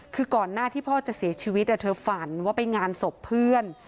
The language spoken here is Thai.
คือก่อนหน้าที่พ่อจะเสียชีวิตเธอฝันว่าไปงานศพเพื่อน